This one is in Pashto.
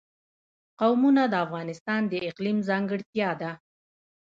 قومونه د افغانستان د اقلیم ځانګړتیا ده.